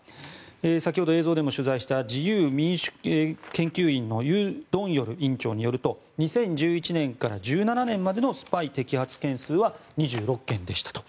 先ほど映像でも取材した自由民主研究院のユ・ドンヨル院長によると２０１１年から１７年までのスパイ摘発件数は２６件でしたと。